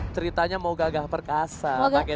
ceritanya mau gagah perkasa